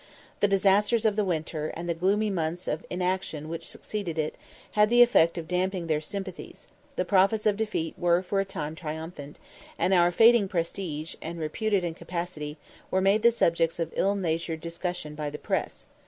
The disasters of the winter, and the gloomy months of inaction which succeeded it, had the effect of damping their sympathies; the prophets of defeat were for a time triumphant, and our fading prestige, and reputed incapacity, were made the subjects of ill natured discussion by the press.